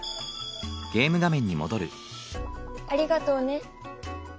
ありがとうね。